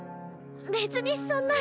別にそんな。